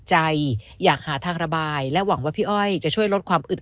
อยากหาทางระบายและหวังว่าพี่อ้อยจะช่วยลดความอึด